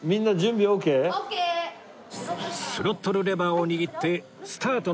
スロットルレバーを握ってスタートの時を待ちます